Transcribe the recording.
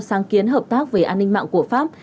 sáng kiến hợp tác về an ninh mạng của pháp